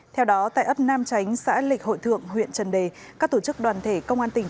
theo đó tại ấp nam chánh xã lịch hội thượng huyện trần đề các tổ chức đoàn thể công an tỉnh